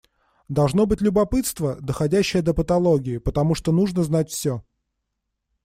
Должно быть любопытство, доходящее до патологии, потому что нужно знать все.